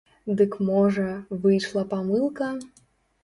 Дык можа, выйшла памылка?